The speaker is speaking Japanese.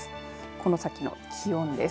この先の気温です。